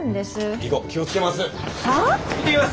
以後気を付けます。